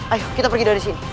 ayo kita pergi dari sini